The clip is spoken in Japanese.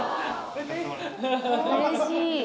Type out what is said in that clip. うれしい。